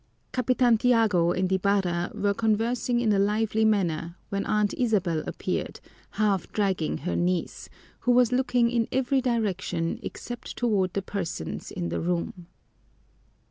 Capitan Tiago and Ibarra were conversing in a lively manner when Aunt Isabel appeared half dragging her niece, who was looking in every direction except toward the persons in the room.